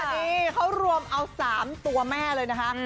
นี่เขารวมเอา๓ตัวแม่เลยนะคะ